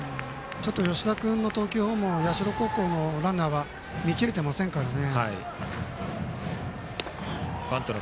吉田君の投球フォームを社高校のランナーは見切れていませんからね。